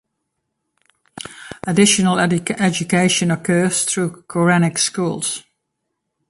Additional education occurs through Koranic schools.